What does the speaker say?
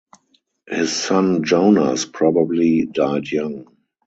His son Jonas probably died young.